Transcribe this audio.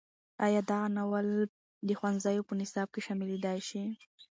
ایا دا ناول د ښوونځیو په نصاب کې شاملېدی شي؟